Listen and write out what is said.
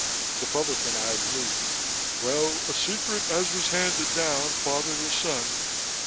The publican eyed me. "Well, a secret as was handed down father to son...."